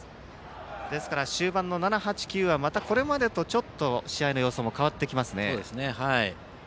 ですから終盤の７、８、９はまたこれまでと試合の様子も変わってきますね。